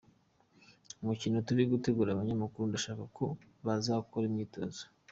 Umukino turi gutegura abanyamakuru ndashaka ko bazakora imyitozo.